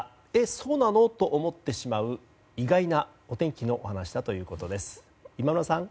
そうなの？と思ってしまう意外なお天気の話だということです。